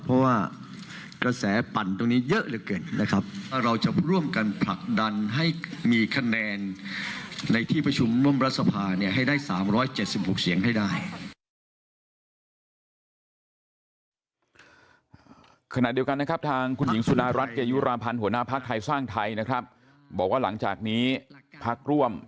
บอกว่าหลังจากนี้พักร่วมจะมีการสร้างแน่นกับพักไทย